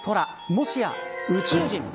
もしや、宇宙人。